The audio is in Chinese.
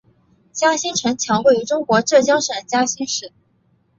嘉兴城墙位于中国浙江省嘉兴市。